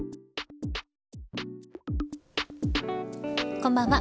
こんばんは。